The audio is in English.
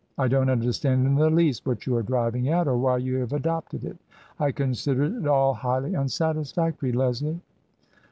I don't understand in the least what you are driving at, or why you have adopted it. I consider it all highly un satisfactory, Leslie."